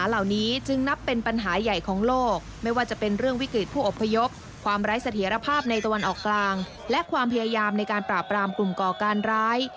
และความพยายามในการปราบรามกลุ่มก่อการร้าย